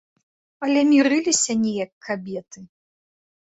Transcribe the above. Але мірыліся неяк кабеты.